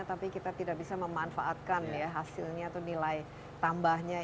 tapi kita tidak bisa memanfaatkan ya hasilnya atau nilai tambahnya